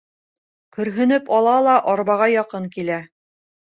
Көрһөнөп ала ла арбаға яҡын килә.